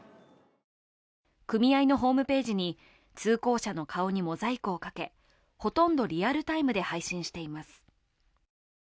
組合のホームページに通行者の顔にモザイクをかけ、ほとんどリアルタイムで配信しています。